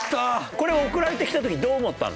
これ送られてきた時どう思ったの？